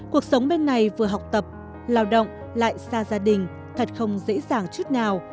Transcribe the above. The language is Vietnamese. cuộc sống bên này vừa học tập lao động lại xa gia đình thật không dễ dàng chút nào